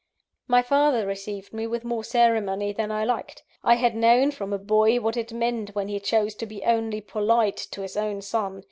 My father received me with more ceremony than I liked. I had known, from a boy, what it meant when he chose to be only polite to his own son.